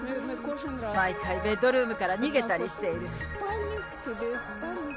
毎回ベッドルームから逃げたりしている。